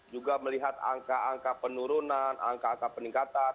juga melihat angka angka penurunan angka angka peningkatan